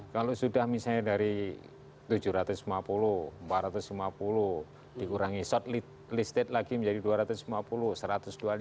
kalau sudah misalnya dari tujuh ratus lima puluh empat ratus lima puluh dikurangi shortlisted lagi menjadi dua ratus lima puluh satu ratus dua puluh lima tujuh puluh lima dua puluh enam kemudian lima belas